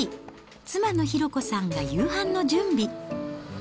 妻の寛子さんが夕飯の準備。